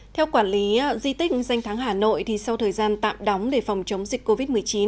theo quản lý di tích danh tháng hà nội sau thời gian tạm đóng để phòng chống dịch covid một mươi chín